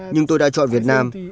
nhưng tôi đã chọn việt nam